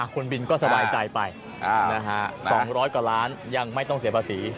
คุณบินก็สบายใจไป๒๐๐กว่าล้านยังไม่ต้องเสียภาษี